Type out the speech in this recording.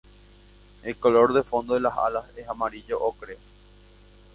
El color de fondo de las alas es amarillo ocre.